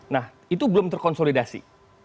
nah itu belum terkonsolidasi